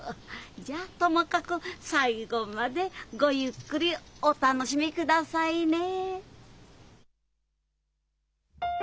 じゃともかく最後までごゆっくりお楽しみ下さいね。